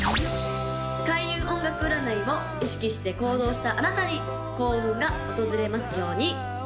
開運音楽占いを意識して行動したあなたに幸運が訪れますように！